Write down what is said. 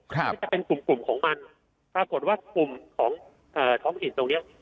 ครับจะเป็นกลุ่มกลุ่มของมันถ้ากดว่ากลุ่มของเอ่อท้องถิ่นตรงเนี้ย